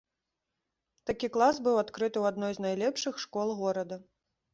Такі клас быў адкрыты ў адной з найлепшых школ горада.